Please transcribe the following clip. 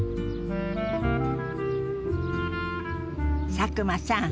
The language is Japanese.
佐久間さん